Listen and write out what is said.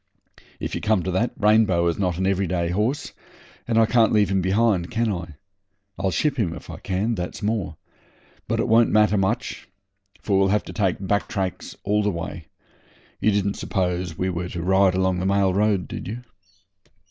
'If you come to that, Rainbow is not an every day horse, and I can't leave him behind, can I? I'll ship him, if I can, that's more. But it won't matter much, for we'll have to take back tracks all the way. You didn't suppose we were to ride along the mail road, did you?'